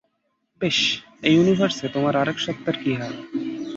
বেশ, এই ইউনিভার্সে তোমার আরেক সত্তার কী হাল?